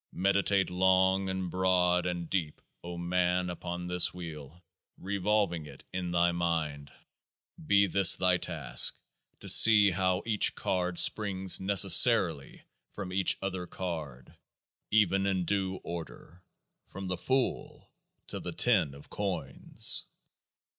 Meditate long and broad and deep, O man, upon this Wheel, revolving it in thy mind ! Be this thy task, to see how each card springs necessarily from each other card, even in due order from The Fool unto The Ten of Coins.